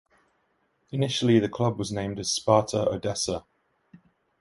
Initially the club was named as Sparta Odessa.